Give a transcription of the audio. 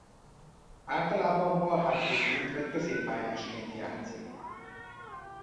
Általában balhátvédként vagy középpályásként játszik.